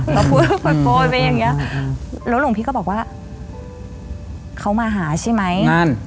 แล้วพูดโฟนไปอย่างเงี้ยแล้วหลวงพี่ก็บอกว่าเขามาหาใช่ไหม